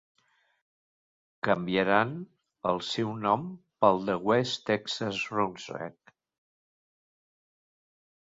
Canviaran el seu nom pel de West Texas Roughnecks.